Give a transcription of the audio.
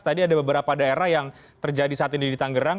tadi ada beberapa daerah yang terjadi saat ini di tanggerang